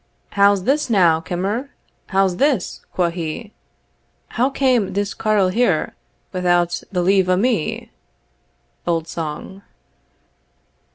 "How's this now, kimmer? How's this?" quo he, "How came this carle here Without the leave o' me?" Old Song.